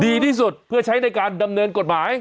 ดีที่สุดเพื่อใช้ในการดำเนินกฎหมาย